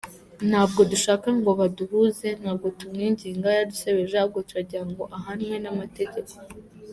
Ntabwo dushaka ngo baduhuze ntabwo tumwinginga, yaradusebeje ahubwo turagirango ahanwe n’amategeko.